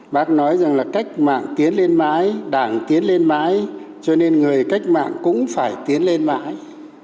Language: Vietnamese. bác nói rằng là cách mạng tiến lên mãi đảng tiến lên mãi cho nên người cách mạng cũng phải tiến lên mãi